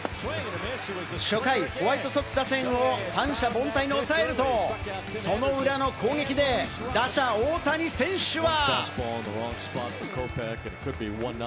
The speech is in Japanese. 初回、ホワイトソックス打線を三者凡退に抑えると、その裏の攻撃で打者・大谷選手は。